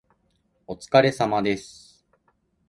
お疲れ様です